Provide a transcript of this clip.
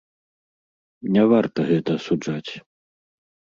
Не варта гэта асуджаць.